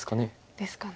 ですかね。